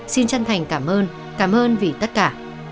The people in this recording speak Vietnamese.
xin chân thành cảm ơn cảm ơn vì tất cả